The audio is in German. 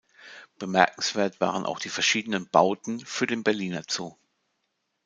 Bemerkenswert waren auch die verschiedenen Bauten für den Berliner Zoo.